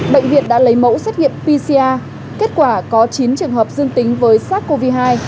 bệnh viện đã lấy mẫu xét nghiệm pcr kết quả có chín trường hợp dương tính với sars cov hai